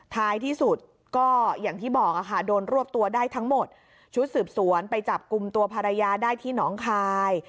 ท้ายที่สุดก็อย่างที่บอกค่ะโดนรวบตัวได้ทั้งหมดชุดสืบสวนไปจับกลุ่มตัวภรรยาได้ที่น้องคาย